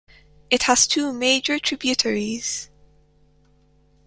It has two major tributaries.